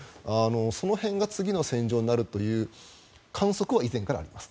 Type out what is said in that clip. その辺が次の戦場になるという観測は以前からあります。